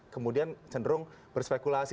kemudian cenderung berspekulasi